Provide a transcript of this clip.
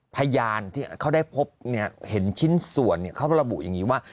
พยานที่เขาได้พบเห็นชิ้นส่วนเขาระบุอย่างนี้ว่า